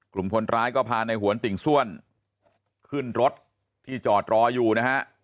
กลุ่มคนร้ายก็พาในหวนติ่งส้วนขึ้นรถที่จอดรออยู่นะฮะ